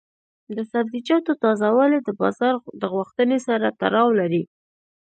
د سبزیجاتو تازه والي د بازار د غوښتنې سره تړاو لري.